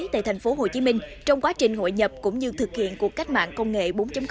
tại thành phố hồ chí minh trong quá trình hội nhập cũng như thực hiện cuộc cách mạng công nghệ bốn